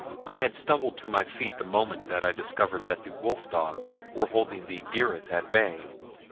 I had stumbled to my feet the moment that I discovered that the wolf dogs were holding the dyryth at bay.